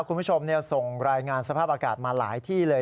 คุณผู้ชมส่งรายงานสภาพอากาศมาหลายที่เลย